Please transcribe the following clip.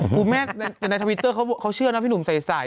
คุณแม่แต่ในทวิตเตอร์เขาเชื่อนะพี่หนุ่มใส